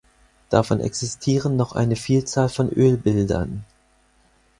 Davon existieren noch eine Vielzahl von Ölbildern.